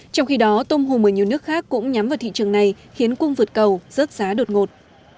trong khi đó tôm hùm ở nhiều nước khác cũng nhắm vào thị trường này khiến quân vượt cầu rớt giá đột ngột